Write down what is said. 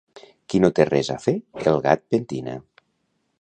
Qui no té res a fer el gat pentina